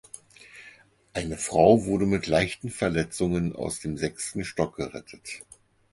Eine Frau wurde mit leichten Verletzungen aus dem sechsten Stock gerettet.